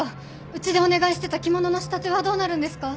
うちでお願いしてた着物の仕立てはどうなるんですか。